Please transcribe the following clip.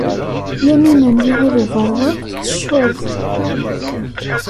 Yamina n Yiɣil Ubeṛwaq tecceḍ.